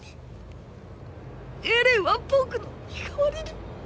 エレンは僕の身代わりに。